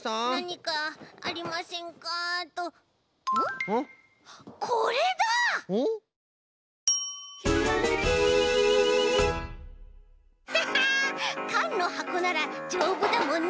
かんのはこならじょうぶだもんね！